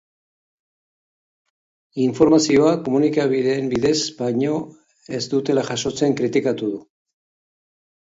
Informazioa komunikabideen bidez baino ez dutela jasotzen kritikatu du.